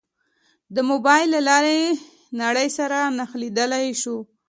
د موبایل له لارې نړۍ سره نښلېدای شو.